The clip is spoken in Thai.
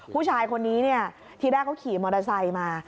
ผู้ชายคนนี้ที่แรกเขาขี่มอเตอร์ไซค์มา